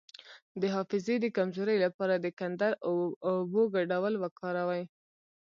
د حافظې د کمزوری لپاره د کندر او اوبو ګډول وکاروئ